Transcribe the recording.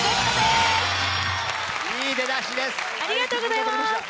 いい出だしです。